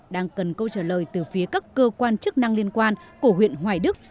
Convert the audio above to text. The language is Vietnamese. đang cần câu trả lời từ phía các cơ quan chức năng liên quan của huyện hoài đức